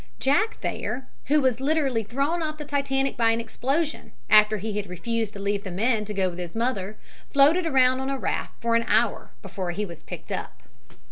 'Jack' Thayer, who was literally thrown off the Titanic by an explosion, after he had refused to leave the men to go with his mother, floated around on a raft for an hour before he was picked up."